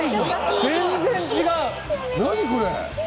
何、これ？